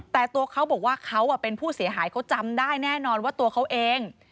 แต่ตัวเขาบอกว่าเขาเป็นผู้เสียหายเขาจำได้แน่นอนว่าตัวเขาเอง